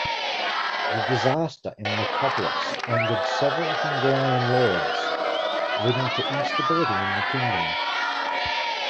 The disaster in Nicopolis angered several Hungarian lords, leading to instability in the kingdom.